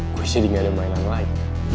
bisa dengan yang lain lain